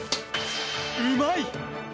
うまい！